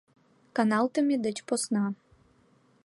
Каналтыме деч посна.